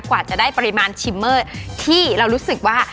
กว่าจะได้ปริมาณชิมเมอร์ที่เรารู้สึกว่า